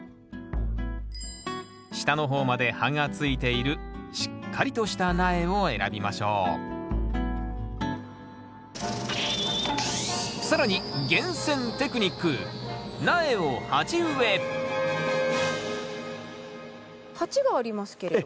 下の方まで葉がついているしっかりとした苗を選びましょう更に厳選テクニック鉢がありますけれども。